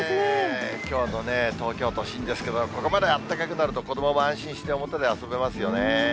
きょうの東京都心ですけど、ここまであったかくなると、子どもも安心して表で遊べますよね。